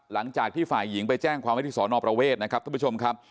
หลังจากที่ฝ่ายหญิงไปแจ้งความไว้ที่สอนอประเวทนะครับท่านผู้ชมครับ